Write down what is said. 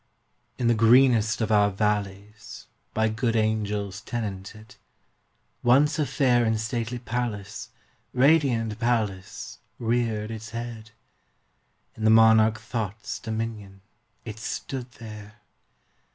In the greenest of our valleys By good angels tenanted, Once a fair and stately palace Radiant palace reared its head. In the monarch Thought's dominion It stood there!